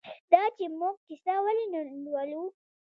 دا چې موږ کیسه ولې نه لولو؟